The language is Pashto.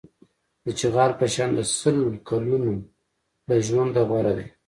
د چغال په شان د سل کلونو له ژونده غوره دی.